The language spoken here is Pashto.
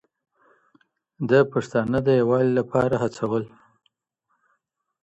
ده پښتانه د يووالي لپاره هڅول